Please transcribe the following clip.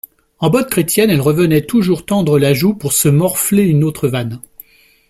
En bonne chrétienne, elle revenait toujours tendre la joue pour se morfler une autre vanne.